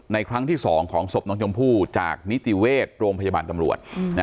ครั้งที่๒ของศพน้องชมพู่จากนิติเวชโรงพยาบาลตำรวจ